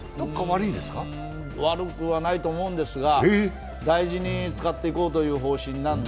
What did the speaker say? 悪くはないと思うんですが大事に使っていこうという方針なんで。